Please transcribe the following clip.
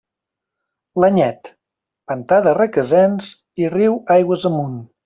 L'Anyet: pantà de Requesens i riu aigües amunt.